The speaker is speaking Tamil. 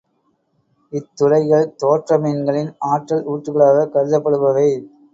இத்துளைகள் தோற்ற மீன்களின் ஆற்றல் ஊற்றுகளாகக் கருதப்படுபவை.